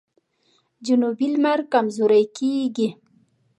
جنوبي لمر کمزوری کیږي.